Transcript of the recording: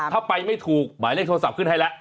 ถ้าไปไม่ถูกหมายเลขโทรศัพท์ขึ้นให้แล้ว